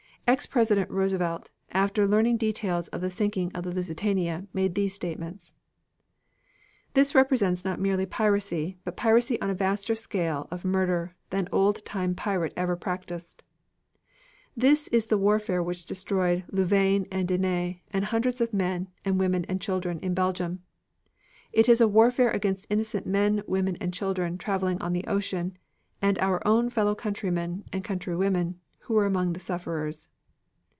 Ex President Roosevelt, after learning details of the sinking of the Lusitania, made these statements: "This represents not merely piracy, but piracy on a vaster scale of murder than old time pirate ever practiced. This is the warfare which destroyed Louvain and Dinant and hundreds of men, women and children in Belgium. It is a warfare against innocent men, women, and children traveling on the ocean, and our own fellowcountrymen and countrywomen, who were among the sufferers.